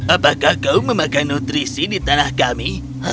apakah kamu memakan nutrisi di tanah kami